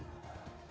ya apa berikan